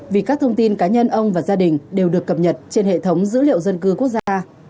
vì các thông tin cá nhân ông và gia đình đều được cập nhật trên hệ thống dữ liệu dân cư quốc gia